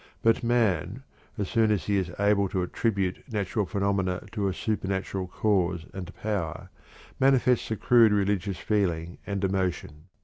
But man, as soon as he is able to attribute natural phenomena to a supernatural cause and power, manifests a crude religious feeling and emotion.